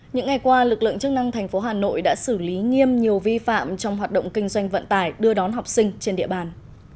những ngày qua lực lượng chức năng thành phố hà nội đã xử lý nghiêm nhiều vi phạm trong hoạt động kinh doanh vận tải đưa đón học sinh trên địa bàn